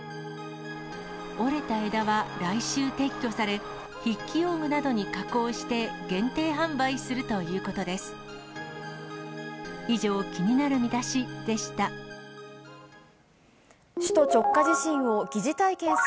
折れた枝は来週撤去され、筆記用具などに加工して限定販売するということです。